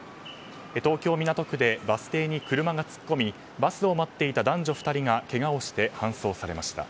東京・港区でバス停に車が突っ込みバスを待っていた男女２人がけがをして搬送されました。